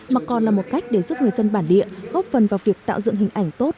mà còn là một cách để giúp người dân bản địa góp phần vào việc tạo dựng hình ảnh tốt